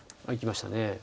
いきました。